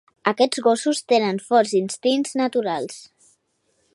Aquests gossos tenen forts instints naturals.